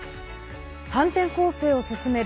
反転攻勢を進める